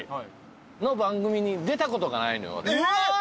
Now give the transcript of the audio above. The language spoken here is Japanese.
えっ！